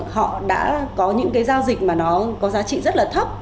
họ đã có những cái giao dịch mà nó có giá trị rất là thấp